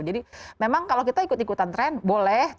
jadi memang kalau kita ikut ikutan tren boleh